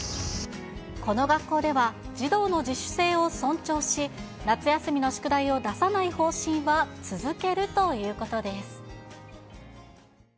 この学校では、児童の自主性を尊重し、夏休みの宿題を出さない方針は続けるということです。